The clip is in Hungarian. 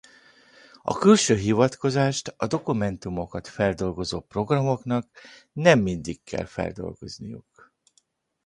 A külső hivatkozást a dokumentumokat feldolgozó programoknak nem mindig kell feldolgozniuk.